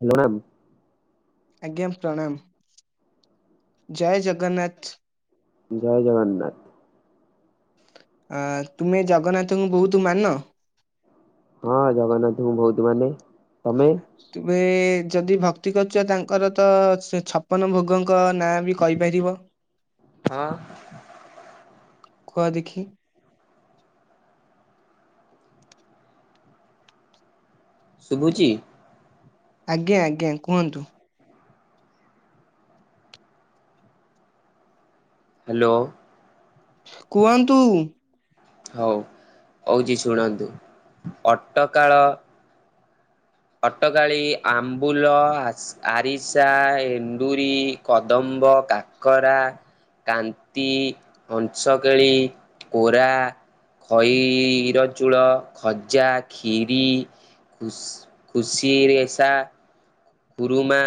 Hello ma'am. ଆଜ୍ଞା ପ୍ରଣାମ, ଜୟ ଜଗନ୍ନାଥ। ଜୟ ଜଗନ୍ନାଥ। ଅ ତୁମେ ଜଗନ୍ନାଥଙ୍କୁ ବହୁତ ମାନ? ହଁ ଜଗନ୍ନାଥଙ୍କୁ ବହୁତ ମାନେ, ତମେ? ତେବେ ଯଦି ଭକ୍ତି କରୁଛ, ତାଙ୍କର ତ ଛ-ଛପନ ଭୋଗ ଙ୍କ ନାଁ ବି କହିପାରିବ? ହଁ ଖୁଅ ଦେଖି--? ଶୁଭୁଚି ଆଜ୍ଞା ଆଜ୍ଞା କୁହନ୍ତୁ। ହାଲୋ କୁହନ୍ତୁ? ହଉ ହଉଛି ଶୁଣନ୍ତୁ, ଅଟକାଳ ଅଟକାଳି, ଆମ୍ବୁଲ, ଆରିସା, ଏଣ୍ଡୁରି, କଦମ୍ କମ୍ବ, କାକରା କାନ୍ତି, ହଂସକେଳି, କୋରା, ଖଇର ଚୂଳ, ଖଜା, କ୍ଷୀରି, ଖୁ ଖୁସି ରେସା, କୁରୁମା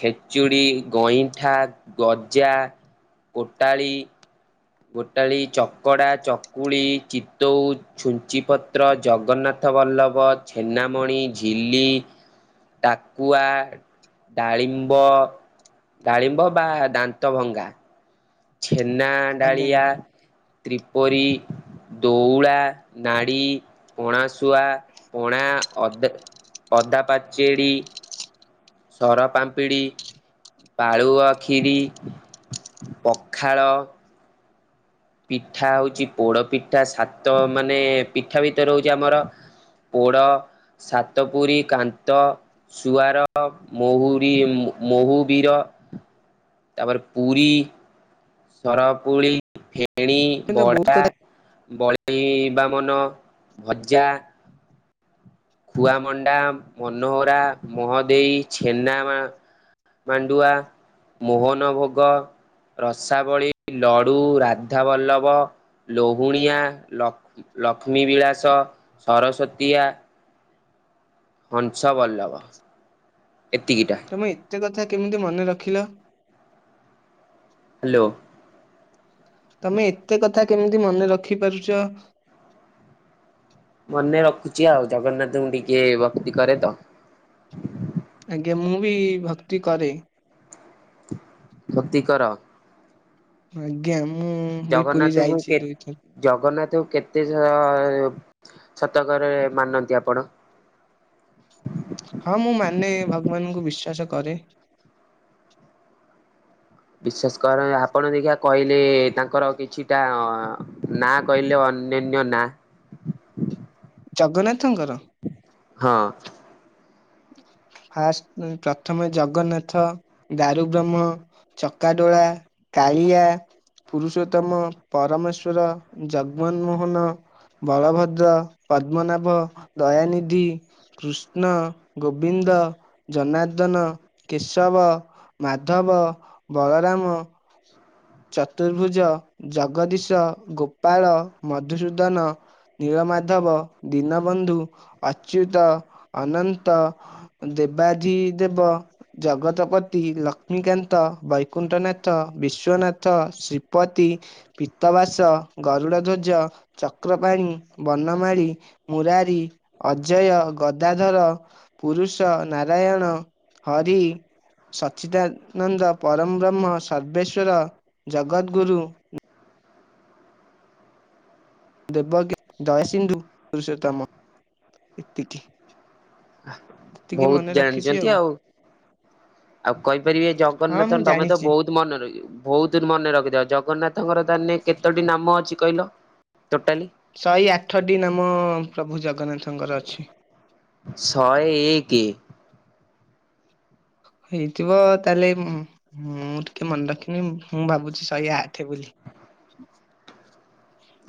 ଖେଚୁଡ଼ି, ଗଇଁଠା, ଗଜା, କୋଟାଳୀ, ଗୋଟାଳି, ଚକଡ଼ା, ଚକୁଳି, ଚିତଉ, ଛୁଞ୍ଚିପତ୍ର, ଜଗନ୍ନାଥ ରଥବଲ୍ଲଭ, ଛେନାମଣି, ଝିଲି ଡାକୁଆ, ଡାଳିମ୍ବ ଗାଳିମ୍ବ ବା ଦାନ୍ତ ଭଙ୍ଗା ଛେନା ଆଜ୍ଞା ଡାଳିଆ, ଆଜ୍ଞା। ତ୍ରିପରି, ଦଉଳା ନାଡ଼ି ପଣା ଶୁଆ, ପଣା, ଅଦା, ଅଦା ପାଚେଡ଼ି ସରା ପାମ୍ପିଡି ପାଳୁଆ କ୍ଷୀରି, ପଖାଳ ପିଠା ହଉଛି ପୋଡ ପିଠା, ସାତ ମାନେ ପିଠା ଭିତରେ ହଉଛି ଆମର ପୋଡ଼ ସାତ ପୁରୀ, କାନ୍ତ, ସୁୁଆର, ମହୁରି, ମହୁବୀର [inaudible] ତାପରେ ପୁରୀ ସରାପୁରୀ କେ ତେଣି ତମେ ତ ବହୁତ କଥା ଖୁଆମଣ୍ଡା ମନୋହରା ମ ମାଣ୍ଡୁଆ ମୋହନ ଭୋଗ ରସାବଳୀ ଲଡୁ ରାଧ ବଲ୍ଲଭ ଲୋହୁଣିଆ ଲକ୍ ଲକ୍ଷ୍ମୀ ବିଳାସ ସରସ୍ଵତୀଆ ହଂସାଭଲଭ ତମେ ଏତେ କଥା କେମିତି ମନେ ରଖିଲ? ହ୍ୟାଲୋ। ତମେ ଏତେ କଥା କେମିତି ମନେ ରଖି ପାରୁଛ ମନେ ରଖୁଛି ଆଉ ଜଗନ୍ନାଥଙ୍କୁ ଟିକେ ଭକ୍ତି କରେ ତ। ଇଏ ମୁଁ ବି ଭକ୍ତି କରେ। କତି କର? ଆଜ୍ଞା ମ୍ । ଜଗନ୍ନାଥଙ୍କୁ କେ ଜଗନ୍ନା ତ କେତେ ଶତକରେ ମାନନ୍ତି ଆପଣ? [inaudible] ହଁ ମୁଁ ମାନେ ଭଗବାନଙ୍କୁ ବିଶ୍ୱାସ କରେ। ବିଶ୍ୱାସ କର ଆପଣ ଦେଖିବା କହିଲେ ତାଙ୍କର କିଛିଟା ନାଁ କହିଲେ ଅନ୍ୟାନ ନାଁ ଜଗନ୍ନାଥଙ୍କର? ହଁ। ହ ଫାଷ୍ଟ ପ୍ରଥମେ ଜଗନ୍ନାଥ ଦାରୁ ବ୍ରହ୍ମ ଚକାଡୋଳା କାଳିଆ ପୁରୁଷୋତ୍ତମ ପରମେଶ୍ଵର ଜଗମନ ମୋହନ ବଳଭଦ୍ର ପଦ୍ମନାଭ ଦୟାନିଧି କୃଷ୍ଣ ଗୋବିନ୍ଦ ଜନାର୍ଦ୍ଦନ କେଶବ ମାଧବ ବଳରା ହମ ଚତୁର୍ଭୁଜ ଜଗଦୀଶ ଗୋପାଳ ମଧୁସୂଦନ ନୀଳମାଧବ, ଦୀନବନ୍ଧୁ, ଅ ଦେବାଜି ଦେବ, ଜଗତ ପତି, ଲଷ୍ମୀ କାନ୍ତ, ବୈକୁଣ୍ଠନାଥ, ବିଶ୍ୱ ନା ଥ ଶ୍ରୀପତି, ପୀତବାସ, ଗରୁଡ଼ା ଧ୍ୱଜ, ଚକ୍ର ପାଣି, ବନ ନମାଳି, ମୁରାରୀ, ଅଜୟ, ଗଦାଧର, ପୁରୁଷ, ନାରାୟଣ। ହରି, ସଚିଦାନନ୍ଦ, ପରମ ବ୍ରହ୍ମ, ସର୍ବେଶ୍ୱର, । ଜଗଦ୍ ଗୁରୁ ଦେବ ଏତିକି ବହୁତ ମନେ ରଖିଛି ଜାଣିଛନ୍ତି ଆଉ ଆଉ କହିପାରିବେ ହଁ ଜଗନ୍ନାଥ ମୁଁ ତମେ ତ ଜାଣିଛି ବହୁତ ମନେ ର ବହୁତ ମନେ ରଖିଥାଅ ଜଗନ୍ନାଥଙ୍କର ତାନେ କେତୋଟି ନାମ ଅଛି କହିଲ? ଟୋଟାଲି? ଶହେ ଆଠଟି ନାମ ପ୍ରଭୁ ଜଗନ୍ନାଥଙ୍କର ଅଛି। ଶହେ ଏକ। ହେଇଥିବ ତାହେଲେ ମୁଁ ମୁଁ ଟିକେ ମନେ ରଖିନି ମୁଁ ମୁଁ ଭାବୁଛି ଶହେ ଆଠେ ବୋଲି।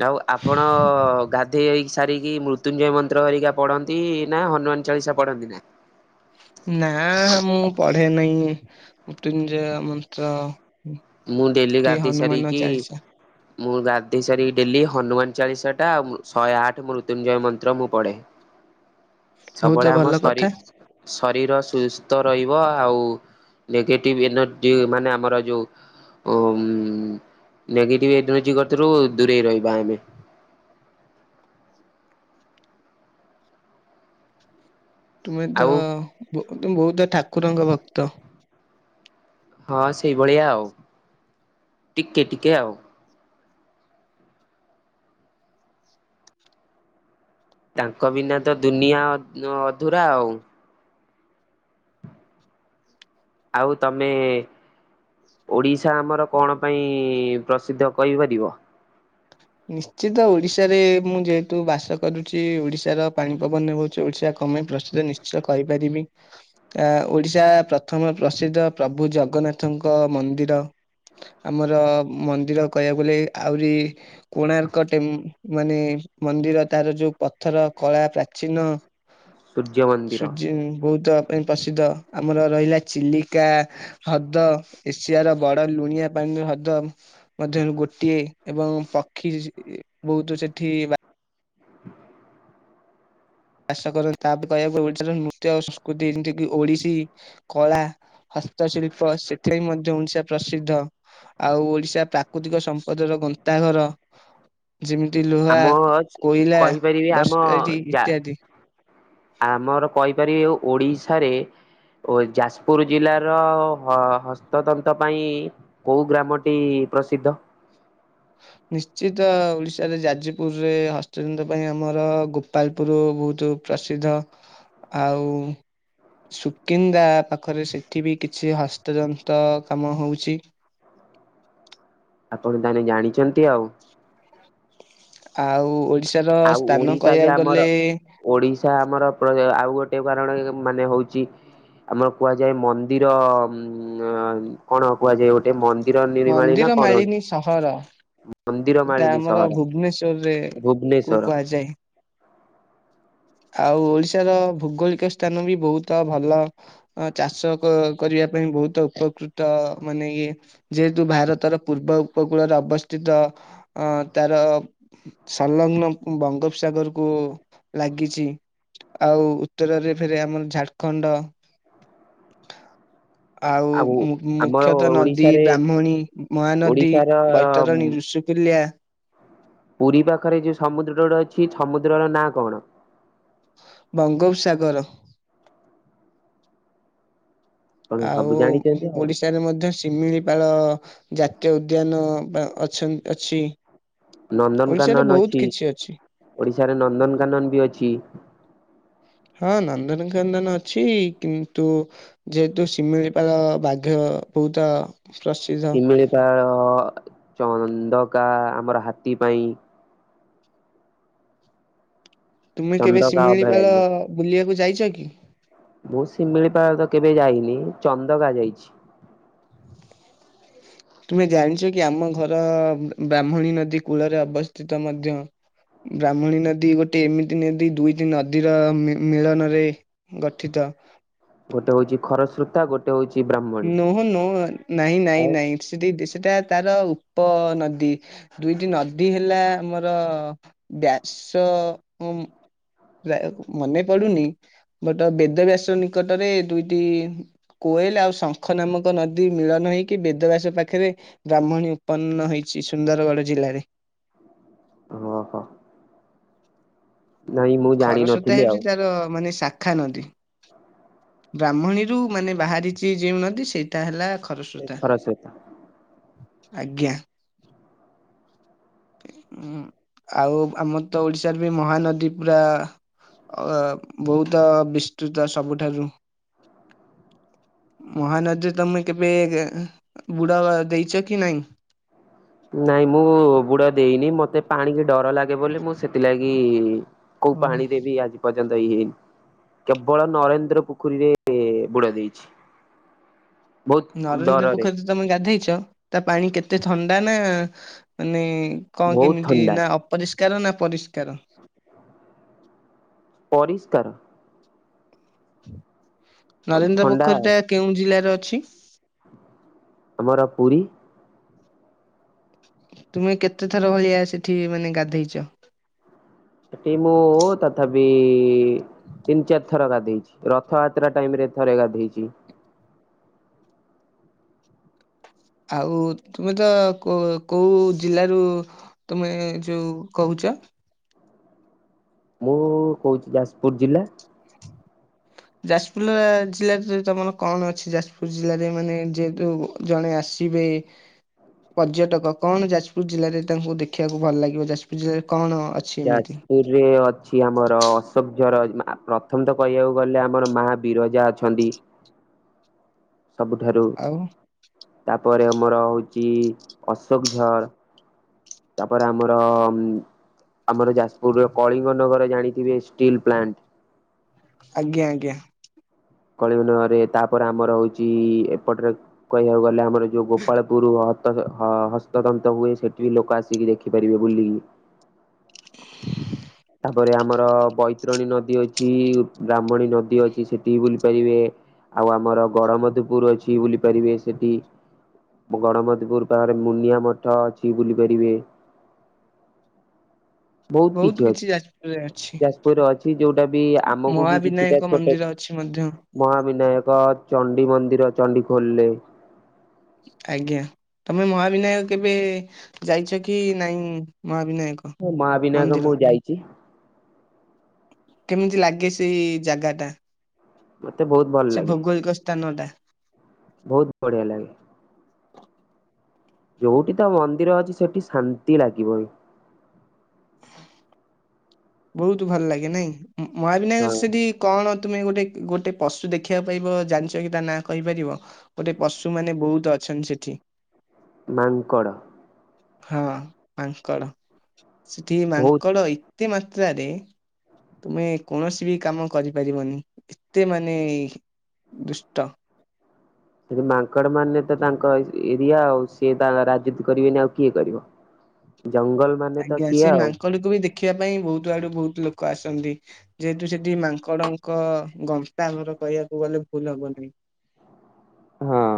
ଆଉ ଆପଣ ଗାଧେଇ ହୋଇକି ସା ସାରିକି ମୃତ୍ୟୁଞ୍ଜୟ ମନ୍ତ୍ର ହରିକା ପଢ଼ନ୍ତି ନା ହନୁମାନ ଚାଳିଶା ପଢ଼ନ୍ତି ନା ନା ମୁଁ ପଢେ ନାହିଁ ମୃତ୍ୟୁଞ୍ଜୟ ମନ୍ତ୍ର। ମୁଁ ଡେଲି କି ଗାଧେଇ ହନୁମାନ ସାରିକି ଚାଳିଶା ମୁଁ ଗାଧେଇ ସାରି ଡେଲି ହନୁମାନ ଚାଳିଶା ଟା ଶହେ ଆଠ ମୃତ୍ୟୁଞ୍ଜୟ ମନ୍ତ୍ର ମୁଁ ପଢ଼େ। ବହୁତ ସବୁବେଳେ ଆମ ଭଲ ଶରୀ କଥା ଶରୀର ସୁସ୍ଥ ରହି ବ ଆଉ ନେଗେଟିଭ ଏନର୍ଜି ମାନେ ଆମର ଯୋଉ ଉ ନେଗେଟିଭ ଏଇ ଦୁଇଟି ଗତିରୁ ଦୂରେଇ ରହିବା ଆମେ। [inaudible] ତୁମେ ତ ଆଉ ବ ବହୁତ ଠାକୁରଙ୍କ ଭକ୍ତ। ହଁ ସେଇଭଳିଆ ଆଉ ଟିକେ ଟିକେ ଆଉ। ତାଙ୍କ ବିନା ତ ଦୁନିଆ ଅ ଅଧୁରା ଆଉ। ଆଉ ତମେ ଓଡିଶା ଆମର କଣ ପାଇଁ ପ୍ରସିଦ୍ଧ କହିପାରିବ? ନିଶ୍ଚିତ ଓଡ଼ିଶାରେ ମୁଁ ଯେହେତୁ ବାସ କରୁଛି ଓଡ଼ିଶାର ପାଣି ପବନ ହଉଛି ଓଡ଼ିଶା ତମେ ପ୍ରସିଦ୍ଧ ନିଶ୍ଚୟ କହିପାରିବି କା ଓଡ଼ିଶା ପ୍ରଥମ ପ୍ରସିଦ୍ଧ ପ୍ରଭୁ ଜଗନ୍ ଜଗନ୍ନାଥଙ୍କ ମନ୍ଦିର ଆମର ମନ୍ଦିର କହିବାକୁ ଗଲେ ଆହୁରି କୋଣାର୍କ ଟେମ୍ ମାନେ ମନ୍ଦିର ତାର ଯୋଉ ପଥର କଳା ପ୍ରାଚୀନ ସୂର୍ଯ୍ୟ ମନ୍ଦିର ସୁଜିନ୍ ବହୁତ ପାଇଁ ପ୍ରସିଦ୍ଧ ଆମର ରହିଲା ଚିଲିକା ହ୍ରଦ ଏସିଆର ବଡ଼ ଲୁଣିଆ ପାଣି ନା ହ୍ରଦ ମଧ୍ୟରୁ ଗୋଟିଏ ଏବଂ ପ [unintelligible] ବହୁତ ସେଠି ବା ଷ କରନ୍ତି ତାପରେ କହିବାକୁ ଓଡ଼ିଶାର ନୃତ୍ୟ ସଂସ୍କୃତି ଯେମିତିକି ଓଡ଼ିଶୀ କଳା ହତ୍ ସ୍ତି ଶିଳ୍ପ ସେରେବି ମଧ୍ୟ ଓଡ଼ିଶା ପ୍ରସିଦ୍ଧ ଆଉ ଓଡ଼ିଶା ପ୍ରାକୃତିକ ସମ୍ପଦର ବଦ୍ ତା ଘର ଯେମିତି ଲୁହା, ଆମ କୋଇଲା ବର୍ଷ ଇତ୍ଯାଦି ଆ ଆମର କହିପାରିବେ ଓଡ଼ିଶାରେ ଓ ଯାଜପୁର ଜିଲ୍ଲାର ହଁ ହସ୍ତତନ୍ତ ପାଇଁ କୋଉ ଗ୍ରାମଟି ପ୍ରସିଦ୍ଧ। [inaudible] ନିଶ୍ଚିତ ଓଡ଼ିଶାରେ ଯାଜପୁରରେ ହସ୍ତଜନ୍ତ୍ର ପାଇଁ ଆମର ଗୋପାଳପୁରୁ ବହୁତୁ ପ୍ରସିଦ୍ଧ ଆଉ ସୁକିନ୍ଦା ପାଖରେ ସେଠି ବି କିଛି ହସ୍ତଯନ୍ତ କାମ ହଉଛି। [inaudible] ଆପଣ ତାହେଲେ ଜାଣିଛନ୍ତି ଆଉ। ଆଉ ଉ ଆଉ ଓଡିଶା ବି ଆମର ଓଡିଶା ଆମର ଆଉ ଗୋଟେ କାରଣ, ମାନେ ହଉଛି ଆମର କୁହାଯାଏ ମନ୍ଦିର ।ଉ କଣ କୁହାଯାଏ ।ଗୋଟେ ମି ମନ୍ଦିର ମାଳିନୀ ସହର। ମନ୍ଦିର ସେଟା ମାଳିନୀ ଆମର ସହର ଭୁବନେଶ୍ଵରରେ କୁ ଭୁବନେଶ୍ଵର କୁହାଯାଏ। [inaudible] ଆଉ ଓଡ଼ିଶାର, ଭୌଗୋଳିକ ସ୍ଥାନ ବି, ବହୁତ ଭଲ ଚାଷ କରିବା ପାଇଁ, ବହୁତ ଉପକୃତ, ମାନେ ଇଏ ଯେହେତୁ, ଭାରତର ପୂର୍ବ ଉପକୂଳରେ ଅବସ୍ଥିତ। ଅ ତାର ସ ସଂଗ୍ନ ବଙ୍ଗୋପସାଗର କୁ, ଲାଗିଛି। ଆଉ, ଉତ୍ତରରେ ଫେରେ, ଆମର ଝାଡଖଣ୍ଡ ଆଉ, ଆମର ମୁଖ୍ୟତଃ ନଦୀ ଓଡିଶାରେ ବ୍ରାହ୍ମଣୀ, ମହାନଦୀ, ଓଡିଶାର ବୈତରଣୀ, ଉଁ, ଋଷୁକୁଲ୍ୟା। ପୁରୀ ପାଖରେ ଯୋଉ, ସମୁଦ୍ରଟ ଅଛି ।ସମୁଦ୍ରର ନାଁ କଣ? ବଙ୍ଗୋପସାଗର। ଆପଣ ସବୁ ଆଉ, ଜାଣିଛନ୍ତି ଆଉ ଓଡିଶାରେ ମଧ୍ୟ ଶିମିଳିପାଳ ଜାତୀୟ ଉଦ୍ୟାନ ଅ, ଅଛି। ଓଡିଶାରେ ନନ୍ଦନକାନନ ବହୁତ ଅଛି କିଛି ।ଓଡିଶାରେ ନନ୍ଦନକାନନ ବି ଅଛି। ହଁ ।ନନ୍ଦନକନ୍ଦନ ଅଛି କିନ୍ତୁ, ଯେହେତୁ ଶିମିଳିପାଳ ବାଘ ବୁତ ଶିମିଳିପାଳ, ଚନ୍ଦକା ଆମର ହାତୀ ପାଇଁ। ତୁମେ କେବେ ଚନ୍ଦକା ଶିମିଳିପାଳ ଅଭୟାରଣ୍ୟ ବୁଲିବାକୁ ଯାଇଛ କି? ମୁଁ ଶିମିଳି ପାଳ ତ କେବେ ଯାଇନି ଚନ୍ଦକା ଯାଇଛି। [inaudible] ତୁମେ ଜାଣିଛ କି ଆମ ଘର ବା-ବ୍ରାହ୍ମଣୀ ନଦୀ କୂଳରେ ଅବସ୍ଥିତ ମଧ୍ୟ। ବ୍ରାହ୍ମଣୀ ନଦୀ ଗୋଟେ ଏମିତି ନଦୀ ଦୁଇଟି ନଦୀର ମି-ମିଳନରେ ଗଠିତ। ତ। ଗୋଟେ ହଉଛି ଖରସ୍ରୋତା ଗୋଟେ ହଉଛି। ବ୍ରାହ୍ମଣୀ। ନୋ ନୋ ନାଇଁ ନାଇଁ ନାଇଁ ସେଠି ଦେ ସେଟା ତାର ତ ନଦୀ ଦୁଇଟି ନଦୀ ହେଲା ଆମର ବ୍ୟାସ। ହୁଁ। ବା ମନେ ପଡୁନି ବଟ ବେଦ ବ୍ୟାସ ନିକଟରେ ଦୁଇଟି। କୋଏଲ ଆଉ ସ ଖ ନାମକ ନଦୀ ମିଳନ ହେଇକି ବେଦବ୍ୟାସ ପାଖେରେ ବ୍ରାହ୍ମଣୀ ଉତ୍ପନ୍ନ ହେଇଛି ସୁନ୍ଦରଗଡ଼ ଜିଲ୍ଲାରେ। [inaudible] ଓହୋ। ନାଇଁ ମୁଁ ଖରସ୍ରୋତା ଜାଣିନଥିଲି ହେଉଛି ଆଉ ତାର, ମାନେ ସା ଶାଖା ନଦୀ, ବ୍ରାହ୍ମଣୀରୁ ମାନେ ବାହାରିଛି ଯେଉଁ ନଦୀ, ସେଇଟା ହେଲା। ଏ ଖରସ୍ରୋତା ଖରସ୍ରୋତ। ଆଜ୍ଞା। ହୁଁ ଆଉ ଆମର ତ ଓଡିଶାରେ ବି ମହାନଦୀ ପୁରା। ଅ ବହୁତ ବିସ୍ତୃତ ସବୁଠାରୁ। ମହାନଦୀ ତମେ କେବେ ଏ ବୁଡ ଦେଇଛ କି ନାଇଁ? ନାଇଁ ମୁଁ ବୁଡ ଦେଇନି ମତେ ପାଣିିକି ଡର ଲାଗେ ବୋଲି ମୁଁ ସେଥିଲାଗି। ଓ କୋଉ ପାଣି ରେ ବି ଆଜି ପର୍ଯ୍ୟନ୍ତ ଦେଇନି କେବଳ ନରେନ୍ଦ୍ର ପୋଖରୀରେ ବୁଡ ଦେଇଛି। [inaudible] ବହୁତ ନରେନ୍ଦ୍ର ଡରରେ ପୋଖରୀ ତ ତମେ ଗାଧେଇଛ ତା ପାଣି କେତେ ଥଣ୍ଡା ନା ମାନେ। କଣ ବହୁତ କେମିତି? ଥଣ୍ଡା ନା ଅପରିଷ୍କାର ନା ପରିଷ୍କାର। ପରିଷ୍କାର। ନରେନ୍ଦ୍ର ଥଣ୍ଡା ପୋଖରୀ ଟା କେଉଁ ଜିଲ୍ଲାରେ ଅଛି? ଆମର ପୁରୀ। ତୁମେ କେତେ ଥର ଭଳିଆ ସେଠି ମାନେ ଗାଧେଇଛ? ସେଟି ମୁଁ ତଥା ପି ତିନି ଚାରି ଥର ଗାଧେଇଛି ରଥଯାତ୍ରା ଟାଇମ ରେ ଥରେ ଗାଧେଇଛି। ଆଉ ତୁମେ ତ କୋଉ କୋଉ ଜିଲ୍ଲାରୁ ତୁମେ ଯୋଉ କହୁ ଚ। ମୁଁ କହୁଛି ଯାଜପୁର ଜିଲ୍ଲା। ହ ଯାଜପୁର ଲା ଜିଲ୍ଲାରେ ସେଠି ତମର କଣ ଅଛି ଯାଜପୁର ଜିଲ୍ଲାରେ ମାନେ ଯେହେତୁ ଜଣେ ଆସ ଥିବେ। ପର୍ଯ୍ୟଟକ କଣ ଯାଜପୁର ଜିଲ୍ଲାରେ ତାଙ୍କୁ ଦେଖିବାକୁ ଭଲ ଲାଗିବ ଯାଜପୁର ଜିଲ୍ଲାରେ କଣ? ଅଛି ଏମିତି? ଯାଜପୁରରେ ଅଛି ଆମର ଅଶୋକ ଝର ମା ପ୍ରଥମ ତ କହିବାକୁ ଗଲେ ଆମର ମା ବିରଜା ଅଛନ୍ତି। ସବୁଠାରୁ। ଆଉ ତାପରେ ଆମର ହଉଚି ଅଶୋକ ଝର। ତାପରେ ଆମର ଉଁ। ଆମର ଯାଜପୁରରେ କଳିଙ୍ଗ ନଗର ଜାଣିଥିବେ ଷ୍ଟିଲ୍ ପ୍ଲାଣ୍ଟ। ଆଜ୍ଞା ଆଜ୍ଞା। କଳିଙ୍ଗନଗରରେ ତାପରେ ଆମର ହଉଛି ଏପଟରେ କହିବାକୁ ଗଲେ ଆମ ର ଯଉ ଗୋପାଳପୁର ହ ହ ହସ୍ତତନ୍ତ ହୁଏ ସେଠି ବି ଲୋକ ଆସିକି ଦେଖିପାରିବେ ବୁଲିକି। ତାପରେ ଆମର ବୈତରଣୀ ନଦୀ ଅଛି ବ୍ରାହ୍ମଣୀ ନଦୀ ଅଛି ସେଠିବି ବୁଲି ପାରିବେ। ଆଉ ଆମର ଗଡମଧୁପୁର ଅଛି ବୁଲି ପାରିବେ ସେଠି। ଗଣମତଧୁପୁର ପାଖରେ ମୁନିଆ ମଠ ଅଛି ବୁଲି ପାରିବେ। ବହୁତ କିଛି ଅଛି। ଯାଜପୁରରେ ଅଛି ଯୋଉଟା ବି ଆମକୁ ବି କିଛିଟା ମହାବିନାୟକ ଛୋଟ ମନ୍ଦିର ଅଛି ମଧ୍ୟ ମହାବିନାୟକ ଚଣ୍ଡୀ ମନ୍ଦିର ଚଣ୍ଡୀ ଖୋଲରେ। ଆଜ୍ଞା ତମେ ମହାବିନାୟକ କେବେ ଯାଇଛ କି ନାଇଁ? ମହାବିନାୟକ ମହାବିନାୟକ ମୁଁ ମନ୍ଦିର। ଯାଇଛି କେମିତି ଲାଗେ ସେଇ ଜାଗା ଟା ମତେ ବହୁତ ଭଲ ସେ ଲାଗେ। ଭୌଗୋଳିକ ସ୍ଥାନ ଟା। ବହୁତ ବଢିଆ ଲାଗେ। ଯୋଉଠି ତ ମନ୍ଦିର ଅଛି ସେଠି ଶାନ୍ତି ଲାଗିବଇଁ ବହୁତ ଭଲ ଲାଗେ ନାଇଁ ମହାବିନାୟକ ହଁ ସେଠି କଣ ତୁମେ ଗୋଟେ ଗୋଟେ ପଶୁ ଦେଖିବାକୁ ପାଇବ ଜାଣିଛ କି ତା ନା କହିପାରିବ ଗୋଟେ ପଶୁ ମାନେ ବହୁତ ଅ ଅଛନ୍ତି ସେିଠି। ମାଙ୍କଡ଼। ହଁ ମାଙ୍କଡ଼ ସେଠି ବହୁତ ମାଙ୍କଡ ଏତେ ମାତ୍ରାରେ ତୁମେ କୌଣସି ବି କାମ କରିପାରିବନି ଏତେ ମାନେ ଦୁଷ୍ଟ। ସେଠି ମାଙ୍କଡ ମାନେ ତ ତାଙ୍କ ଏରିଆ ଆଉ ସିଏ ତା ରାଜୁତି କରିବେନି ଆଉ କିଏ କରିବ। ଜଙ୍ଗଲ ମାନେ ତ ଆଜ୍ଞା ସିଏ ସେ ଆଉ ମାଙ୍କଡକୁ ବି ଦେଖିବା ପାଇଁ ବହୁତ ଆଡୁ ବହୁତ ଲୋକ ଲୋକ ଆସନ୍ତି ଯେହେତୁ ସେଠି ମାଙ୍କଡଙ୍କ ଗନ୍ତାଘର କହିବାକୁ ଗଲେ ଭୁଲ ହବନି। ହଁ,